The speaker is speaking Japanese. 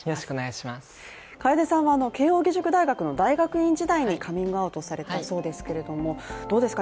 楓さんは慶応義塾大学の大学院時代に、カミングアウトされたそうですけれどもどうですか